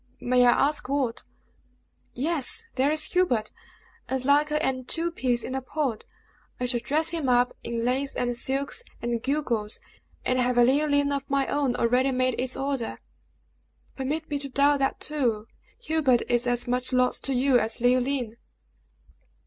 "May I ask what?" "Yes! there is Hubert, as like her an two peas in a pod. I shall dress him up in lace and silks, and gewgaws, and have a Leoline of my own already made its order." "Permit me to doubt that, too! Hubert is as much lost to you as Leoline!"